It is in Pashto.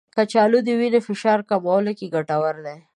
کچالو د وینې فشار کمولو کې ګټور دی.